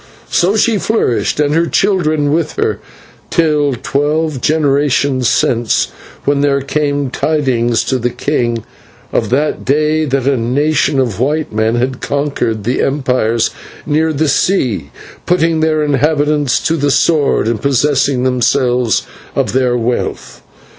So she flourished, and her children with her, till twelve generations since, when there came tidings to the king of that day that a nation of white men had conquered the empires near the sea, putting their inhabitants to the sword and possessing themselves of their wealth.